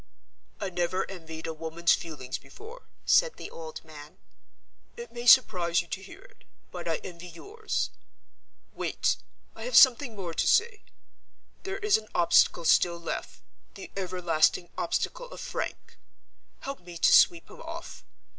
"I never envied a woman's feelings before," said the old man. "It may surprise you to hear it; but I envy yours. Wait! I have something more to say. There is an obstacle still left—the everlasting obstacle of Frank. Help me to sweep him off.